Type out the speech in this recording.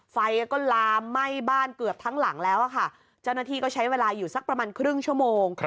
ไฟก็ลามไหม้บ้านเกือบทั้งหลังแล้วค่ะเจ้าหน้าที่ก็ใช้เวลาอยู่สักประมาณครึ่งชั่วโมง